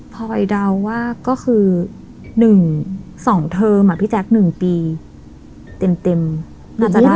พลอยเดาว่าก็คือหนึ่งสองเทอมอ่ะพี่แจ๊กหนึ่งปีเต็มน่าจะได้